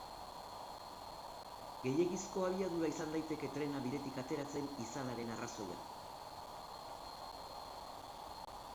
Gehiegizko abiadura izan daiteke trena bidetik atera izanaren arrazoia.